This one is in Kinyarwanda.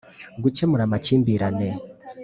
gukemura amakimbirane